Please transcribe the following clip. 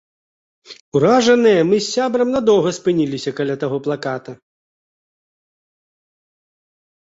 Уражаныя, мы з сябрам надоўга спыніліся каля таго плаката.